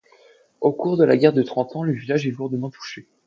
Au cours de la guerre de Trente Ans, le village est lourdement touché.